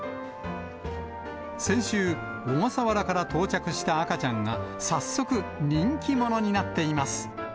先週、小笠原から到着した赤ちゃんが早速、人気者になっています。